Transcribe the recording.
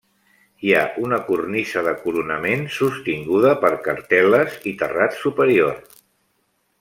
Hi ha una cornisa de coronament, sostinguda per cartel·les, i terrat superior.